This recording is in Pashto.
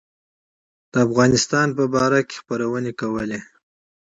د افغانستان په باب خپرونې نه کولې.